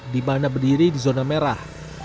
di mana berdiri di zona merah